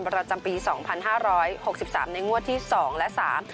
ประจำปี๒๕๖๓ในงวดที่๒และ๓